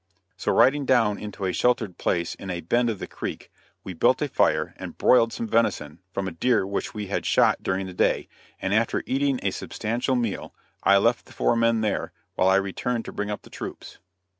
So riding down into a sheltered place in a bend of the creek, we built a fire and broiled some venison from a deer which we had shot during the day, and after eating a substantial meal, I left the four men there, while I returned to bring up the troops.